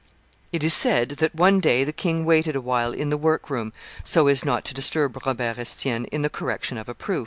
It is said that one day the king waited a while in the work room, so as not to disturb Robert Estienne in the correction of a proof.